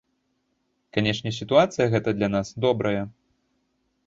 Канешне, сітуацыя гэта для нас добрая.